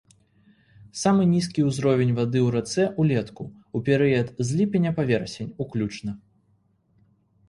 Самы нізкі ўзровень вады ў рацэ ўлетку, у перыяд з ліпеня па верасень уключна.